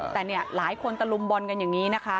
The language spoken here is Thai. แต่เนี่ยหลายคนตะลุมบอลกันอย่างนี้นะคะ